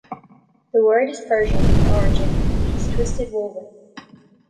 The word is Persian in origin and means "twisted woven".